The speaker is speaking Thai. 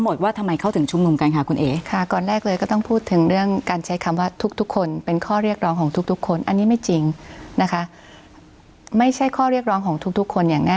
นายกรัฐมนตรีของประเทศไทยอีกต่อไปแล้วค่ะ